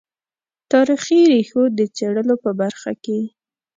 تاریخي ریښو د څېړلو په برخه کې.